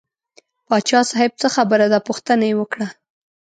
پاچا صاحب څه خبره ده پوښتنه یې وکړه.